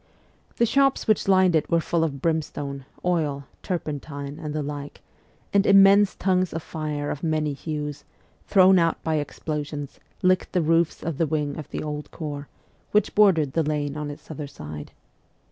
The shops which lined it were full of brimstone, oil, turpentine, and the like, and immense tongues of fire of many hues, thrown out by explosions, licked the roofs of the wing of the Corps, which bordered the lane on its other side.